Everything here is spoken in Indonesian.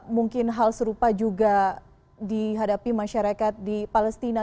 mungkin hal serupa juga dihadapi masyarakat di palestina